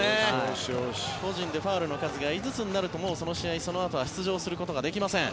個人でファウルの数が５つになるともうその試合、そのあとは出場することができません。